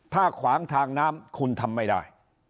ถ้าขวางทางน้ำคุณทำไม่ได้